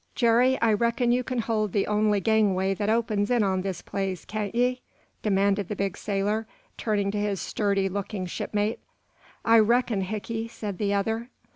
"Jerry, I reckon you can hold the only gang way that opens in on this place, can't ye?" demanded the big sailor, turning to his sturdy looking shipmate. "I reckon, Hickey," said the other.